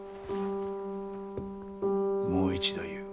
もう一度言う。